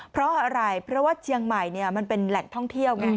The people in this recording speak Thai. เพราะอะไรเพราะว่าเชียงใหม่มันเป็นแหล่งท่องเที่ยวไง